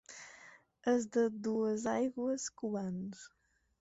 Els de Duesaigües, cubans.